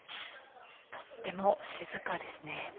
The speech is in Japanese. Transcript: とっても静かですね。